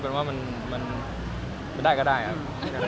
มีอะไรให้สั่งในการคุยบ้างมั้ยคะ